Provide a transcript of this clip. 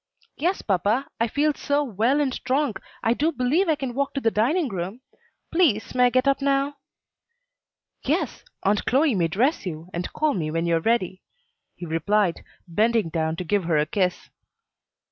"Yes, papa, I feel so well and strong I do believe I can walk to the dining room. Please, may I get up now?" "Yes; Aunt Chloe may dress you, and call me when you are ready," he replied, bending down to give her a kiss.